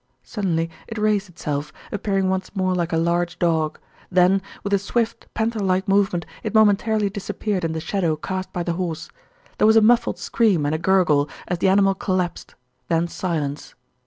Suddenly it raised itself, appearing once more like a large dog. Then with a swift, panther like movement it momentarily disappeared in the shadow cast by the horse. There was a muffled scream and a gurgle, as the animal collapsed, then silence.